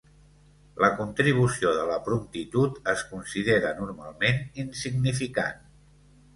La contribució de la promptitud es considera normalment insignificant.